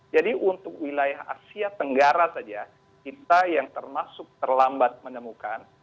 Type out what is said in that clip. jadi untuk wilayah asia tenggara saja kita yang termasuk terlambat menemukan